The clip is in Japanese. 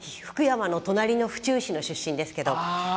福山の隣の府中なんですけど。